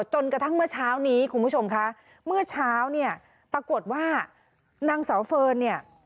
จนกระทั่งเมื่อเช้านี้คุณผู้ชมคะเมื่อเช้าเนี่ยปรากฏว่านางเสาเฟิร์นเนี่ย